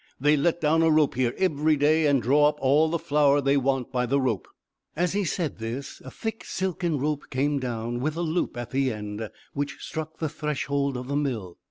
"They let down a rope here every day, and draw up all the flour they want by the rope." As he said this a thick silken rope came down, with a loop at the end, which struck the threshold of the mill.